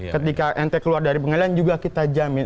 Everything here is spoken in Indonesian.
ketika nt keluar dari pengadilan juga kita jamin